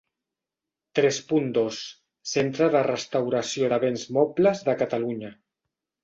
Tres punt dos Centre de Restauració de Béns Mobles de Catalunya.